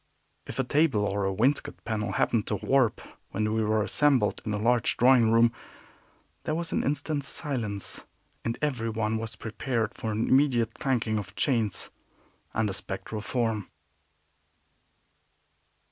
If a table or a wainscot panel happened to warp when we were assembled in the large drawing room, there was an instant silence, and everyone was prepared for an immediate clanking of chains and a spectral form.